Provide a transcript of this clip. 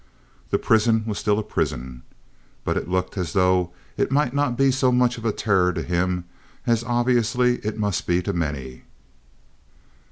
The prison was still a prison, but it looked as though it might not be so much of a terror to him as obviously it must be to many.